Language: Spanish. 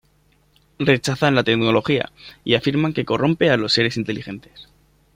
Rechazan la tecnología y afirman que corrompe a los seres inteligentes.